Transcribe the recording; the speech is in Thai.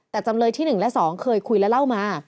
แต่จำเลยที่๑และ๒เคยคุยและเล่ามา